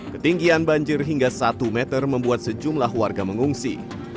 ketinggian banjir hingga satu meter membuat sejumlah warga mengungsi